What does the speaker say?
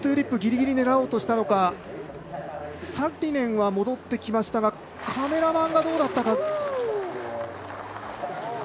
リップトゥリップギリギリを狙おうとしたのかサッリネンは戻ってきましたがカメラマンがどうだったか。